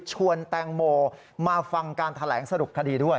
ชวนแตงโมมาฟังการแถลงสรุปคดีด้วย